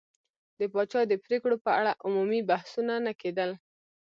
د پاچا د پرېکړو په اړه عمومي بحثونه نه کېدل.